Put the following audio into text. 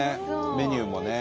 メニューもね。